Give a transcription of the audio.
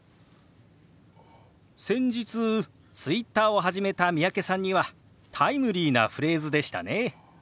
先日Ｔｗｉｔｔｅｒを始めた三宅さんにはタイムリーなフレーズでしたね。